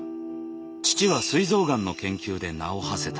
父はすい臓がんの研究で名をはせた。